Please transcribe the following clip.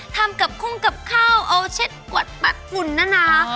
ทำกับคุ้งกับข้าวเอาเช็ดกวัดปัดฝุ่นนะนะ